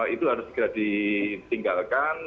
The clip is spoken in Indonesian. itu harus segera ditinggalkan